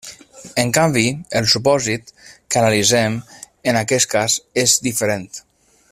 En canvi, el supòsit que analitzem en aquest cas és diferent.